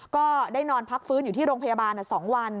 ก็ได้นอนพักฟื้นอยู่ที่โรงพยาบาล๒วัน